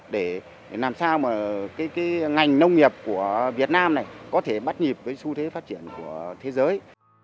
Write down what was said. để làm sao mà cái ngành nông nghiệp của việt nam này có thể bắt nhịp với xu thế phát triển của thế giới